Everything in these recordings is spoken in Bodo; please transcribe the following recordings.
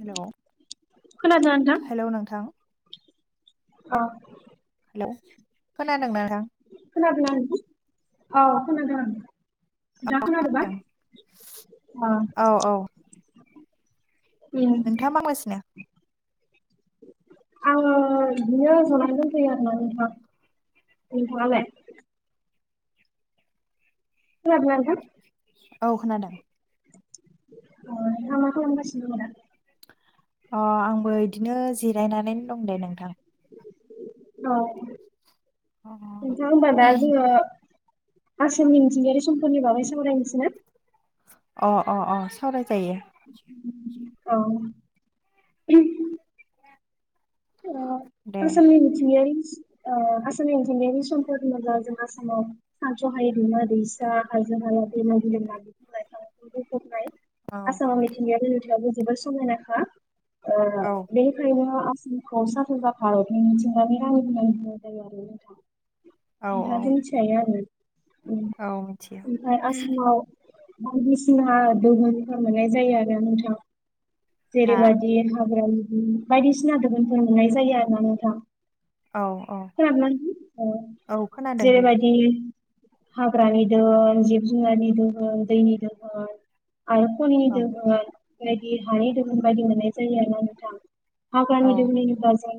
हेलौ खोनादोंना नोंथां? हेलौ नोंथां अ हेलौ खोनादों नोंथां खोनादों ना नोंथां औ खोनादों नोंथां नोंथांआ खोनादों ना औ औ नोंथाङा मा खालामगासिनो? आडो बिदिनो जना दंथ'यो नोंथा। जाबाय। खोनादों ना नोंथां? औ खोनादों। औ मा मा खालामगासिनो दं। अ आंबो इदिनो जिरायनानै दं दे नोंथां। औ नोंथां होनबा दा जोङो। आसामनि मिथिंगायारि समपदफोरनि बागै सावरायनोसैना। अ अ अ सावराय जायो। औ। अ दे आसामनि मिथिंगायारि। आसामनि मिथिंगायारि समपदफोर होनोब्ला जों आसामाव सानस' हायै दैमा दैसा हाजो। [unintelligible] औ आसामाव मिथिंगाया [unintelligible] जोबोद समायनाखा ओ औ बेनिखायनों। खौ साजा जाखा मिथिंगानि रानि होननानै जायो आरो नोंथां। औ नोंथाङाथ' मिथिखायो आरो औ मिथियो ओमफ्राय आसामाव। बायदिसिना दहुनफोर मोननाय जायो आरो नोंथां। हा जेरैबायदि हाग्रानि बायदिसिना दोनफोर मोननाय जायो आरो ना नोंथां। औ औ खोनादोना नोंथां औ खोनादों जेरै दे बायदि। हाग्रानि दोन जिब जुनारनि दोन दैनि दोहोन। आरो खनिनि औ दोहोन बायदि हानि दोहोम बायदि मोननाय जायो आरो ना नोंथां हाग्रानि। औ नि बा जों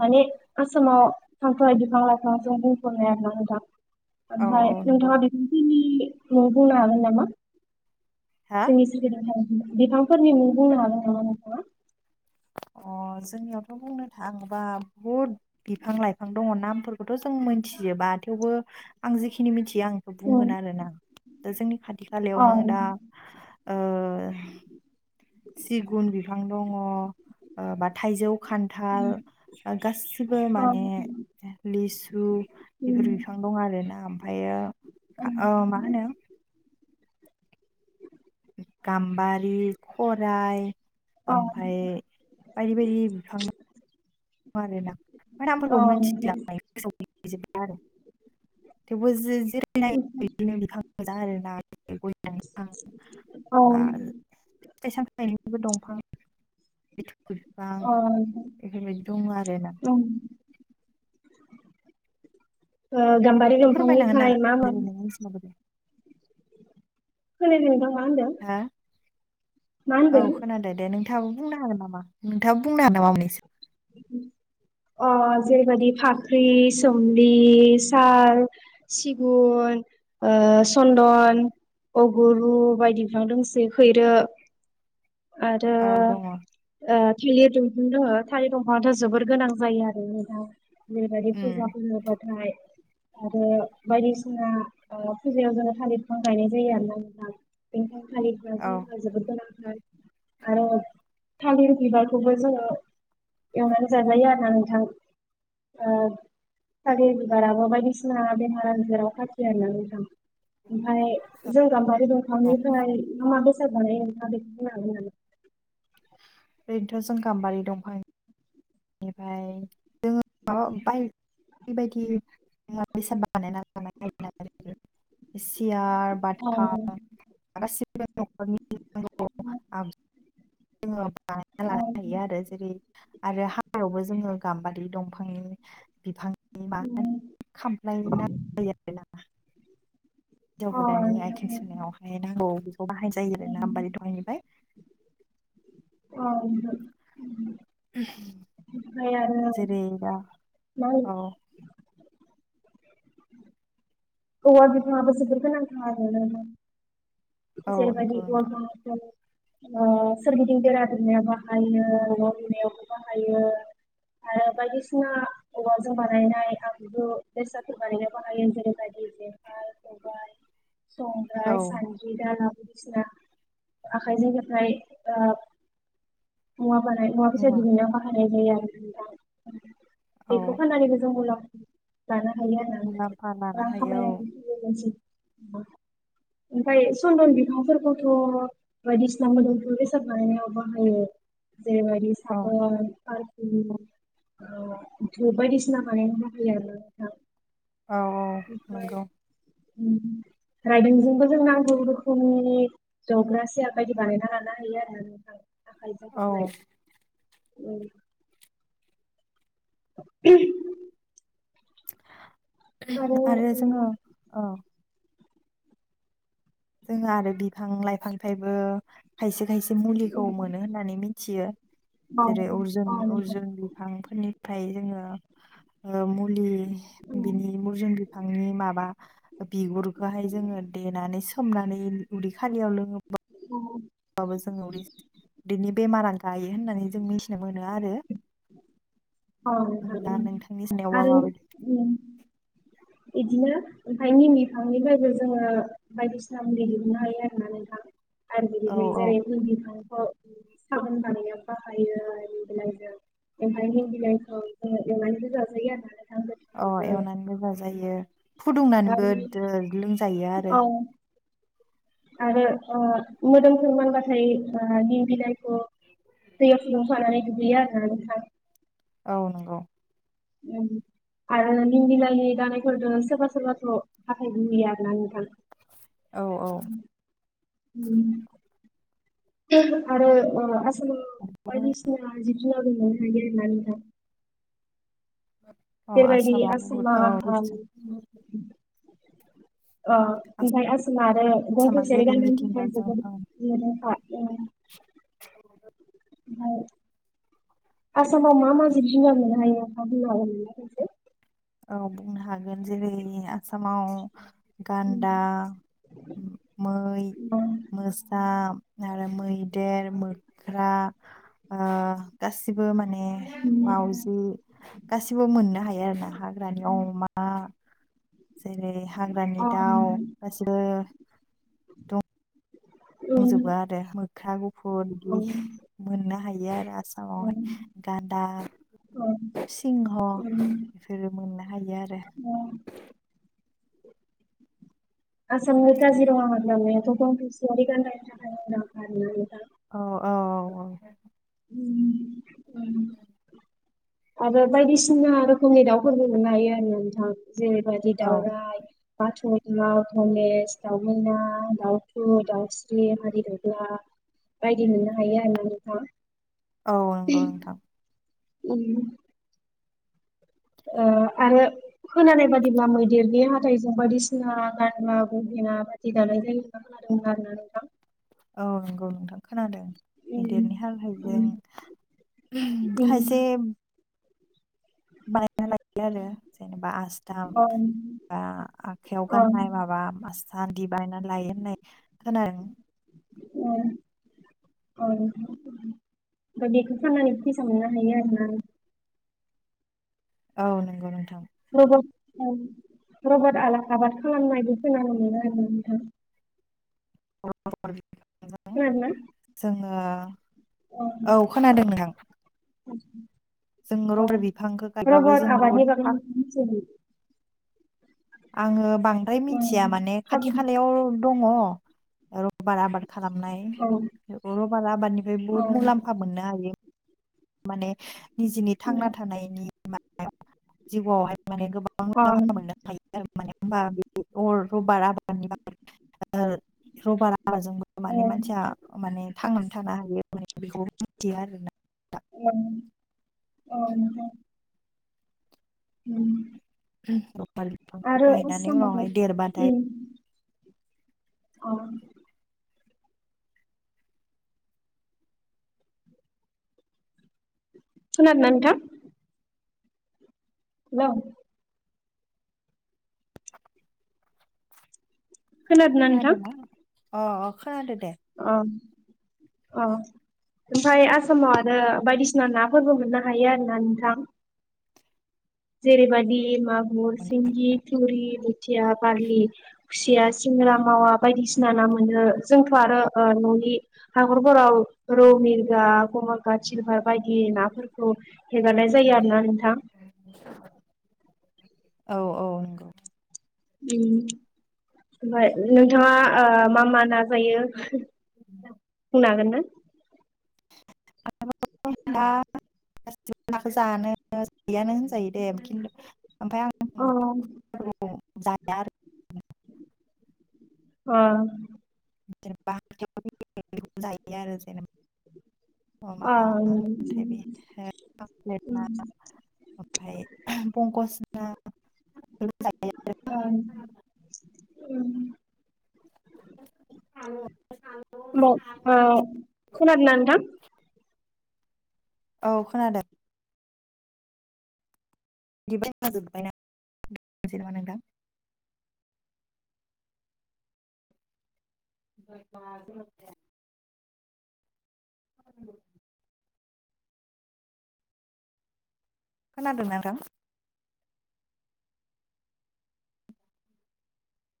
माने आसामाव थांबाय बिफां लाइफांजों बुंफबनाय आरोना नोंथां औ ओमफ्राय औ नंगौ नोंथाङा बिखिनिखौ बुंनो हागोन नामा? हा जोंनि सोरगिदिं आव थानाय बिफांफोरनि मुं बुंनो हागोन नामा नोंथाङा। अ जोंनियावथ' बुंनो थाङोबा बुहुद बिफां लाइफां दङ नामफोरखौथ' जों मिथिजोबा। थेवबो आं जिखिनि मि बि आं औ बुंगोन आरोना दा जोंनि खाथि औ खालायावनो दा। सिगुन बिफां दङ बा थाइजौ। खानथाल गासिबो माने लिसु बेफोर बिफां। दं आरोना ओमफ्रायो मा होनो गाम्बारि खराइ। ओमफ्राय बायदि बायदि बिफां। आरोना नामफोरखौ औ मिथिला गोसोआव गैला। [unintelligible] आरो थेवबो [unintelligible] जिरायनाय औ बिदिनो बिफां मोजां आरो ना गय बिफां अ बाल फिथाइ-सामथाइनि बो दंफां लिथुखु बिफां बेफोरबायदि दङ आरोना? ओं ओ गाम्बारि फोरमायना होनो दंफांनिफ्राय मा हागोन मा जेरै नों मिथिनाय बायदि खोनायाखै नोंथां हा मा औ होनदों? खोनादो दे नोंथाङाबो बुंनो हागोन नामा नोंथाङाबो बुंनो हागोन नामा मोनैसो। [inaudible] अ जेरैबायदि फाख्रि सोमलि साल सिगुन सन्दन अगुरु बायदि बिफां दोंसोयो खैरो। आरो औ दङ ओ थालिर दंफां दङो थालिर दंफाङाथ' जोबोर गोनां जायो आरो ना नोंथां। बेबादि उम फुजाफोर होबाथाय आरो बायदिसिना फुजायाव जोङो थालिर बिफां गायनाय जायो आरोना नोंथां बेनिखायनो थालिर बिफांआ औ जोंनि थाखाय जोबोद गोनां आरो थालिर बिबारखौबो जोङो एवनानै जाजायो आरोना नोंथां थालिर बिबाराबो बायदिसिना बेमार आजाराव खाथियो आरोना नोंथां ओमफ्राय जों गामबारि दंफांनिफ्राय मा बेसाद बानायो नोंथाङा बे उम ओरैनोथ' जों गाम्बारि दंफां बेनिफ्राय जो माबा बायदि बायदि मुवा बेसाद बानायनालानाय सियार बाव गासिबो नखरनि जों बानायना अ लानो हायो आरो जेरै आरो नवावबो जोङो गाम्बारि दंफांनि बिफां म खामफ्लाय नांगो जायो आरो ना हिनजाव अ गोदाननि आथिं सुायावहाय नांगौ बेखौ बाहायनाय जायो आर ना आम्बारि दंफांनिफ्राय औ दे आरो जेरै बा मा होनो औ औवा बिफाङाबो जोबोर गोनांथार आरोना औ नंगौ नोंथां जेबायदिनि अ सोरगिदिं बेरा दुमनायाव बाहायो न लुनायावबो बाहायो आरो बायदिसिना औवाजों बानायनाय आंगो बेसादफोर बानायनाय बाहायो जेरैबाय ओ संग्राय सानदि दाला बायदिसिना आखाइजों हेबनाय मुवा बानाय मुवा बेसाद दिहुननायाव बाहायनाय जायो आरो दा औ बेखौ फाननानैबो जों उनाव मुलाम्फा लानो हायो आरो मुलाम्फा लानो रां हायो खामायनानैै ओमफ्राय सन्दन बिफांफोरखौथ' बायदिसिना मोदोमफोरु बेसाद बानायनायाव बाहायो जेरै बादि औ साबोन बायदिसिना बानाय होैयो आरो ना नोंथां औ औ नंगौ राइदोंजोंबो जोंना गोबां रोखोमनि जग्रा सियार बायदि बानायना लानो हायो आरो नोंथां आखाइजों औ फोरनाय उम आरो जोङो उम औ जोङो आरो बिफां लाइफांनिफ्रायबो खायसे खायसे मुलिखौ उम मोनो होननानै मिथियो औ जेरै अरजुन औ नोंथां अर्जुन बिफांफोरनिफ्राय जोङो मुलि उम बिनि मुरजुन बिफांनि माबा बिगुरखौहाय जोङो देनानै सोमनानै उदै खालियाव लोङो उम आबो जोङो बिनि बेमार आ गायो होननानै जों मिथिनो मोनो आरो औ नोंथां दा‌ उम नोंथानि मिथिनायाव माबादि बिदिनो ओमफ्राय निम बिफांनिफ्रायबो जोङो बायदिसिना मुलि दिहुननो हायो आरो ना नोंथां आरो जारना [unintelligible] उम साबोन बानाया बाहायो निम बिलाइ जों एबा निम बिलाइखो जों एवनानिबो जाजायो आरो ना अ एवनानैबो जाजायो गोदो लोमजायो आरो औ आरो ओ मोदोमफोर मानबाथाय ओ निम बिलाइ खौ दैयाव फुदुंफानानै दुगैयो आरो ना नोंथां औ नंगौ उ आरो निम बिलाइनि दालायफोरदो सोरबा सोरबाथ' हाथाय होहैयो आरोना नोंथां औ औ उम आरो आ मोसौ बायदिसिना जिब जुनारबो मोननो हायो आरो ना नोंथां औ जेरबायदि आसामाव बुहुद आसामा औ ओ बुहुदजों ओ ओमफ्राय आसामा आरो गं आसामा थसेयारि जेरै गान्दानि थाखाय मिथिंगाजों जोबोद औ मुदांखा [inaudible] ओमफ्राय आसामाव मा मा जिब जुनार मोननो हायो? नोंथाङा बुंनो हागोनना खनसे औ बुंनो हागोन जेरै आसामाव गान्दा मै मोसा आरो मैदेर मो ख्रा ओ गासिबो माने माउजि गासिबो मोननो हायो आरो ना हाग्रानि अमा जेरै हाग्रानि दाउ गासिबो दंजोबा आरो मोख्रा गुफुर बिदि मोननो हायो आरो आ सामावहाय गानदा सिंह उम बेफोरो मोननो हायो आरो उ आसामनि काजिरङा हाग्रामाया थ' गं थसेयारि गान्दानि थाखाय मुंदांखा नङा होमबा अ नोंथां। [inaudible] आरो बायदिसिना रोखोमनि दाउफोरबो मोननो हायो आरोना नोंथां जेरैबादि औ दाउराइ बाथ' थमेस दाउमैना दाउथु दाउस्रि हादि दगला बायदि मोननो हायो आरोना नोंथां औ नंगौ नोंथां उम ओ आरो खोनानाय बादिब्ला मैदेरनि हाथाइजों बायदिसिना गानग्रा गहेना बायदि दानाय जायो होनना खोना दों आरो ना नोंथां औ नंगौ नोंथां खोनादों उम मैदेरनि उम हाथायजों उम खायसे बानायना लायो आरो जेनेबा आसथाम ओं बा आखाइयाव ओं गाननाय माबा मासान्दि बायनानै लायो होननाय खोनादों उम औ ओमफ्राय बेखौ फाननानै फैसा मोननो हायो आरोना औ नंगौ नोंथां [unintelligible] रबर आलाखा आबाद खालामनायबो खोनानो मोनो आरो ना नोंथां [unintelligible] खोनादों ना अ ओ औ खोनादों नोंथां जों औ रबर बिफांखौ गायबाबो रबर जों बुहुद आबादनि बागै था- [unintelligible] आङो बांद्राय मिथिया उम, माने खाबु खाथि खालायाव दङ र बार आबाद खालामनाय औ बे रबार आबादनिफ्राय औ बुहुत मुलाम्फा मोननो हायो। माने निजेनि थांना थानायनि मायाव जिउआवहाय माने गोबां अ मुलाम्फा मोननो हायो आरो माने हबा [unintelligible] बे अर रबार आबारनि बागै रबार राबाजोंबो अ माने मानसिया माने थांनानै थानो हायो माने बेखौ मिथिया आरोना? औ औ नोंथां। उम। उम दफाल बिफांखौ आरो गायनानै आसामाव उनावहाय देरबाथाय। औ। खोनादोना नोंथां। नेल खोनादों ना नोंथां खोनादोंना अ खोनादो दे अ अ ओमफ्राय आसामाव आरो बायदिसिना नाफोरबो मोननो हायो आरो ना नोंथां जेरैबादि मागुर सिंगि थुरि बोथिया बारलि खुसिया सिंग्रा मावा बायदिसिना ना मोनो जोंथ' आरो न'नि हाखरफोराव रौ मिरगा कमलखार चिलबार। बायदि नाफोरखौ हेगारनाय जायो आरो ना नोंथां औ औ नंगौ ओम ओमफ्राय नोंथाङा मा मा नाजायो। द लागोनना आ गासिबो नाखौ जानो जायोनो होनजायो दे खिन्थु ओमफ्राय अ आं जाया आरो अ जायो आरो जेनेबा मा अ उम होनथाय बे उम ओमफ्राय पंकज ना ओं ओम थां ओमब अ खोनादोना नोंथां। औ खोनादों बिदिबाय जोबबायना सै नामा नोंथां। ब बा। औ। खोनादोंना नों थां।